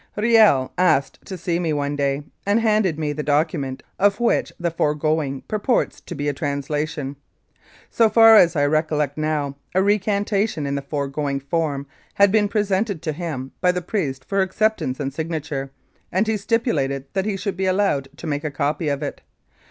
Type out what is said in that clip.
Riel asked to see me one day, and handed me the document of which the foregoing purports to be a translation. So far as I recollect now, a recantation in the foregoing form had been presented to him by the priests for acceptance and signature, and he stipulated that he should be allowed to make a copy of it.